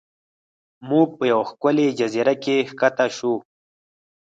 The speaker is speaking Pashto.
موږ په یوه ښکلې جزیره کې ښکته شو.